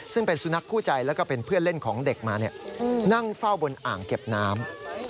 ซึ่งเป็นสุนัขคู่ใจแล้วก็เป็นเพื่อนเล่นของเด็กมานั่งเฝ้าบนอ่างเก็บน้ำ